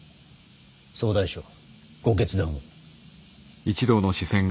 総大将ご決断を。